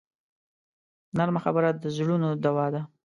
نرمه خبره د زړونو دوا ده